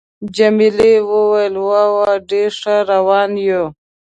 جميلې وويل:: وا وا، ډېر ښه روان یو.